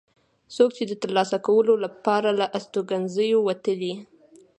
څوک چې د ترلاسه کولو لپاره له استوګنځیو وتلي.